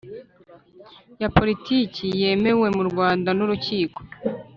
Ya politiki yemewe mu rwanda n urukiko